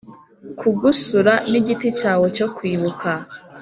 kugusura nigiti cyawe cyo kwibuka.